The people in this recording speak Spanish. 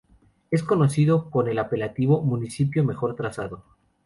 Es conocido con el apelativo de "Municipio mejor trazado".